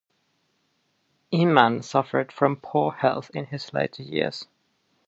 Inman suffered from poor health in his later years.